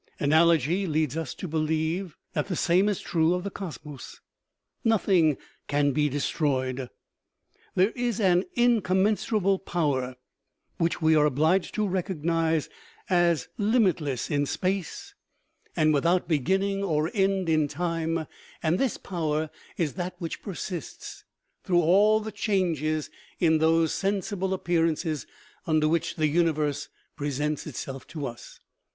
Analogy leads us to believe that the same is true of the cosmos. Nothing can be destroyed. There is an incommensurable Power, which we are obliged to recognize as limitless in space and without be OMEGA. 285 V ginning or end in time, and this Power is that which persists through all the changes in those sensible appear ances under which the universe presents itself to us.